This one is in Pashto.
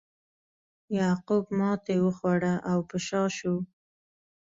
یعقوب ماتې وخوړه او په شا شو.